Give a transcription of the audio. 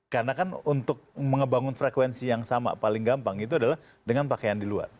karena kan untuk mengebangun frekuensi yang sama paling gampang itu adalah dengan pakaian di luar